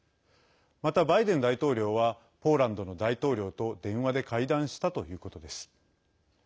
またバイデン大統領はポーランドの大統領と電話で会談したということです。